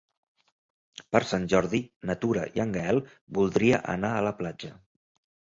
Per Sant Jordi na Tura i en Gaël voldria anar a la platja.